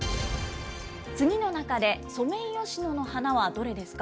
次の中でソメイヨシノの花はどれですか。